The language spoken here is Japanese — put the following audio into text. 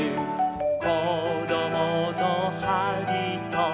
「こどものはりと」